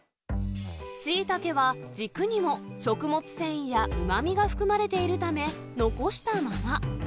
シイタケは軸にも食物繊維やうまみが含まれているため、残したまま。